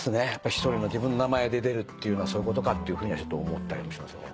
一人の自分の名前で出るっていうのはそういうことかっていうふうにはちょっと思ったりもしますね。